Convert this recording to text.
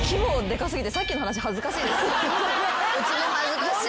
うちも恥ずかしい。